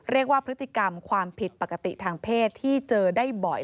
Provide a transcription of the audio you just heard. เรียกว่าพฤติกรรมความผิดปกติทางเพศที่เจอได้บ่อย